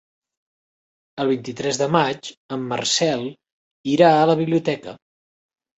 El vint-i-tres de maig en Marcel irà a la biblioteca.